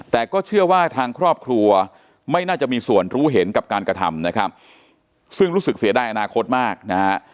แต่ก็เชื่อว่าทางครอบครัวไม่น่าจะมีส่วนรู้เห็นกับการกระทำนะครับซึ่งรู้สึกเสียดายอนาคตมากนะฮะ